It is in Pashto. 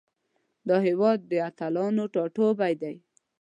دا هیواد د اتلانو ټاټوبی ده.